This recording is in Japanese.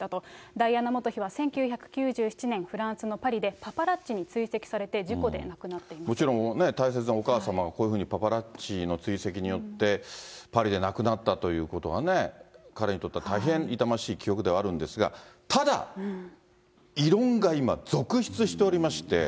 ダイアナ元妃は１９９７年、フランスのパリで、パパラッチに追跡されて、もちろん、大切なお母様がこういうふうにパパラッチの追跡によってパリで亡くなったということはね、彼にとっては大変痛ましい記憶ではあるんですが、ただ、異論が今、続出しておりまして。